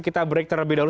kita break terlebih dahulu